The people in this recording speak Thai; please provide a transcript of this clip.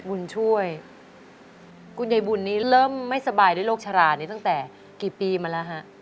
บุญช่วยคุณยายบุญนี้เริ่มไม่สบายด้วยโรคชรานี้ตั้งแต่กี่ปีมาแล้วฮะ